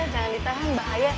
jangan ditahan bahaya